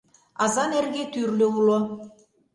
Аза нерге тӱрлӧ уло.